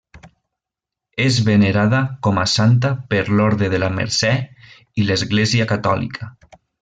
És venerada com a santa per l'Orde de la Mercè i l'Església catòlica.